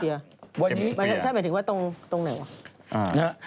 ใช่หมายถึงว่าตรงไหนวะ